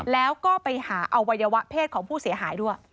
แล้วก็ไปหาอวัยวะเพศของผู้เสียหายด้วย